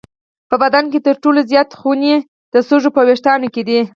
په بدن کې تر ټولو زیات خونې د سږو په وېښتانو کې دي.